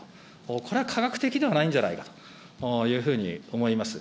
これは科学的ではないんじゃないかというふうに思います。